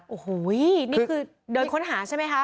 โอ้โหนี่คือเดินค้นหาใช่ไหมคะ